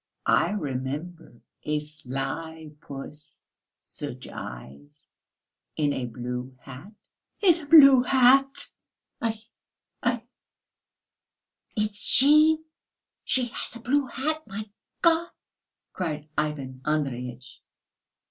I remember, a sly puss, such eyes ... in a blue hat...." "In a blue hat! Aïe, aïe!" "It's she! She has a blue hat! My God!" cried Ivan Andreyitch.